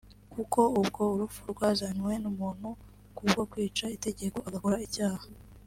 kuko ubwo urupfu rwazanywe n’umuntu kubwo kwica itegeko agakora icyaha